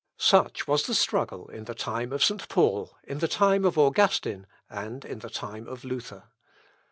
Such was the struggle in the time of St. Paul, in the time of Augustine, and in the time of Luther.